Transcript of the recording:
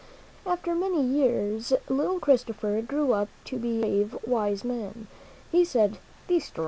After many years little Christopher grew up to be a brave, wise man. He said, "These stories mm ■;•■>